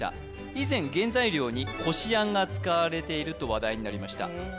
以前原材料にこしあんが使われていると話題になりました